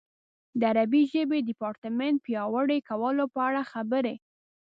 د عربي ژبې د ډیپارټمنټ پیاوړي کولو په اړه خبرې.